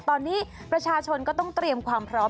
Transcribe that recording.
ตอนนี้ประชาชนก็ต้องเตรียมความพร้อม